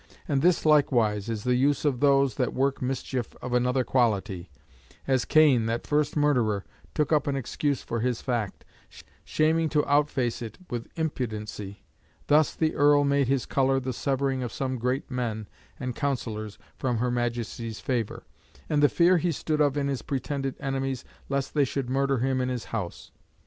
And this likewise is the use of those that work mischief of another quality; as Cain, that first murderer, took up an excuse for his fact, shaming to outface it with impudency, thus the Earl made his colour the severing some great men and councillors from her Majesty's favour, and the fear he stood in of his pretended enemies lest they should murder him in his house.